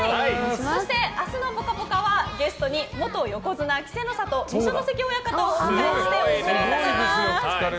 そして、明日の「ぽかぽか」はゲストに元横綱・稀勢の里二所ノ関親方をお迎えしてお送りします。